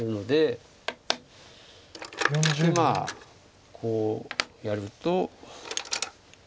でまあこうやると。